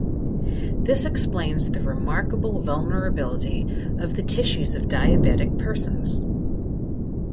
This explains the remarkable vulnerability of the tissues of diabetic persons.